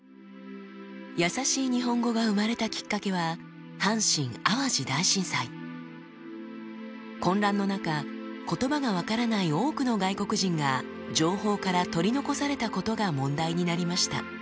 やさしい日本語が生まれたきっかけは混乱の中言葉が分からない多くの外国人が情報から取り残されたことが問題になりました。